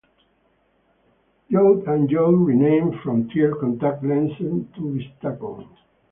J and J renamed Frontier Contact Lenses to Vistakon.